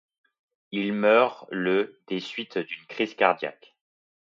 Il meurt le des suites d'une crise cardiaque.